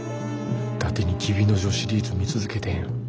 だてに「黍之丞」シリーズ見続けてへん。